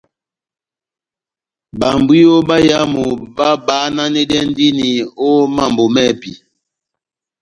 Bambwiyo báyámu babahananɛndini ó mambo mɛ́hɛpi.